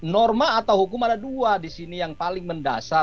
norma atau hukum ada dua di sini yang paling mendasar